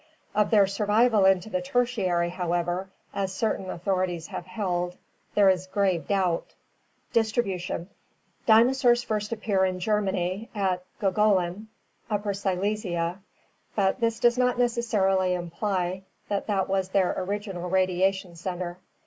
Of their survival into the Tertiary, however, as certain authorities have held, there is grave doubt. Distribution. — Dinosaurs first appear in Germany, at Gogolin, Upper Silesia, but this does not necessarily imply that that was their original radiation center.